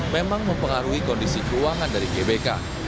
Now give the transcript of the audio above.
memang mempengaruhi kondisi keuangan dari gbk